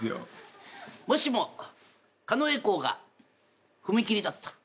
もしも狩野英孝が踏切だったら。